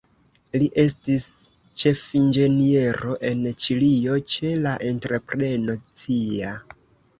Li estis ĉefinĝeniero en Ĉilio ĉe la entrepreno Cia.